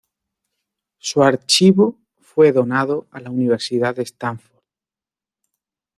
Su archivo fue donado a la Universidad de Stanford.